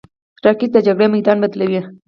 راکټ د جګړې میدان بدلوي